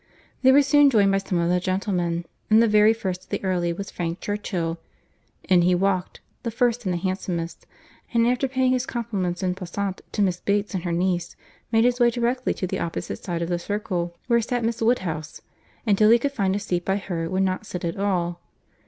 They were soon joined by some of the gentlemen; and the very first of the early was Frank Churchill. In he walked, the first and the handsomest; and after paying his compliments en passant to Miss Bates and her niece, made his way directly to the opposite side of the circle, where sat Miss Woodhouse; and till he could find a seat by her, would not sit at all.